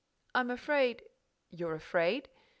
"I'm afraid—" "You're afraid?"